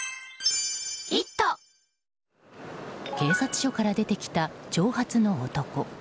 警察署から出てきた長髪の男。